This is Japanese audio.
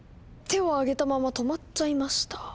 手を上げたまま止まっちゃいました。